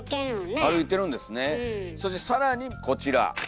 そして更にこちら。